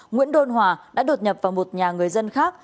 nguyễn đôn hòa đã đột nhập vào một nhà người dân khác